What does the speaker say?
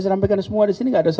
f pertimbangan kerja akademi